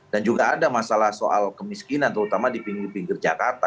juga ada masalah soal kemiskinan terutama di pinggir pinggir jakarta